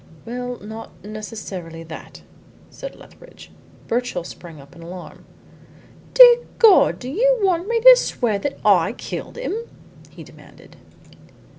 "Well, not necessarily that," said Lethbridge. Birchill sprang up in alarm. "Good God, do you want me to swear that I killed him?" he demanded.